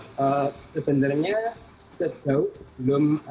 jadi ini mbak mia dan mas anok